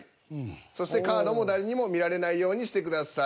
そしてカードも誰にも見られないようにしてください。